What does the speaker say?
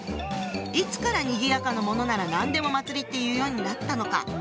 いつからにぎやかなものなら何でも祭りって言うようになったのか？